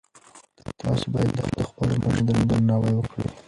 تاسو باید تل د خپلو مشرانو درناوی وکړئ.